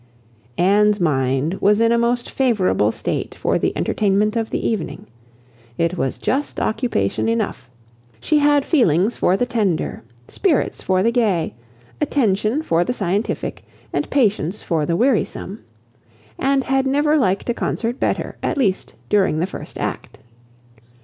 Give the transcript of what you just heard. Anne's mind was in a most favourable state for the entertainment of the evening; it was just occupation enough: she had feelings for the tender, spirits for the gay, attention for the scientific, and patience for the wearisome; and had never liked a concert better, at least during the first act.